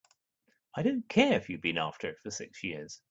I don't care if you've been after it for six years!